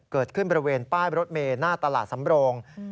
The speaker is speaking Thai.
เกิดขึ้นบริเวณป้ายรถเมลหน้าตลาดสำโรง